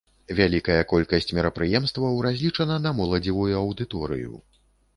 Вялікая колькасць мерапрыемстваў разлічана на моладзевую аўдыторыю.